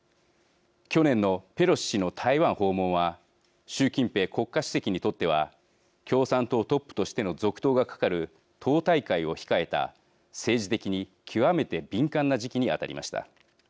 去年のペロシ氏の台湾訪問は習近平国家主席にとっては共産党トップとしての続投がかかる党大会を控えた政治的に極めて敏感な時期に当たりました。